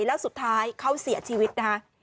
แล้วสุดท้ายเขาเสียชีวิตนะคะ